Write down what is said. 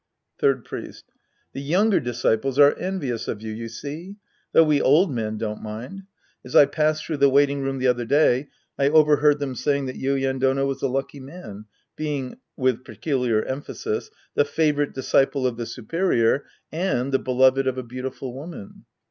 Third Priest. The younger disciples are envious of you, you see. Though we old men don't mind. As I passed through the waiting room the other day, I overheard .them saying that Yuien Dono was a lucky man, being {^uuith peculiar emphasis) the favorite disciple of the superior and the beloved of a beautiful woman.